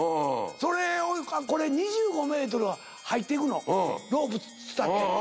それをこれ２５ｍ入っていくのロープ伝って。